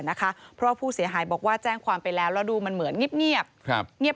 เพราะว่าผู้เสียหายบอกว่าแจ้งความไปแล้วแล้วดูมันเหมือนเงียบเงียบ